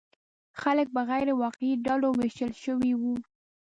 خلک په غیر واقعي ډلو ویشل شوي وو.